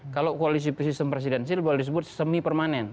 kalau koalisi sistem presidensil boleh disebut semi permanen